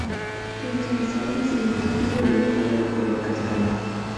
Tiene las alas, el obispillo y la cola de color castaño.